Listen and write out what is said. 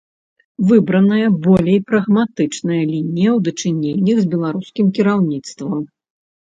Выбраная болей прагматычная лінія ў дачыненнях з беларускім кіраўніцтвам.